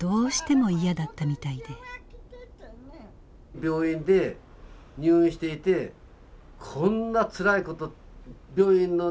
病院で入院していてこんなつらいこと病院のね